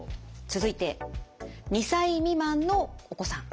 続いて２歳未満のお子さん。